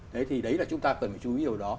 đấy thì đấy là chúng ta cần phải chú ý điều đó